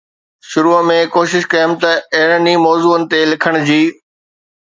شروع ۾ ڪوشش ڪيم ته اهڙن ئي موضوعن تي لکڻ جي